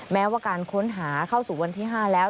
แม้ว่าการค้นหาเข้าสู่วันที่๕แล้ว